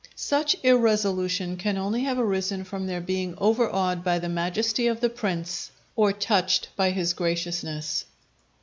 Such irresolution can only have arisen from their being overawed by the majesty of the prince, or touched by his graciousness.